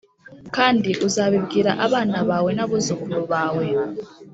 kandi uzabibwire abana bawe n’abuzukuru bawe.